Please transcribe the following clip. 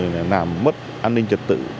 làm mất an ninh trật tự